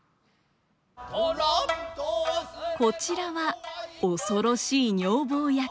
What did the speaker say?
こちらは恐ろしい女房役。